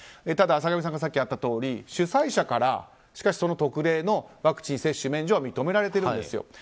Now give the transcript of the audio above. ただ坂上さんからあったとおり主催者から、特例のワクチン接種免除は認められているんです。